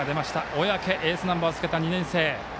小宅、エースナンバーをつけた２年生。